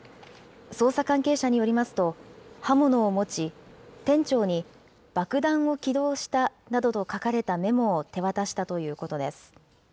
捜査関係者によりますと、刃物を持ち、店長に、爆弾を起動したなどと書かれたメモを手渡したということです。